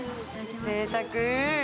ぜいたく。